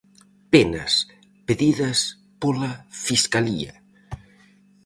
Penas pedidas pola fiscalía.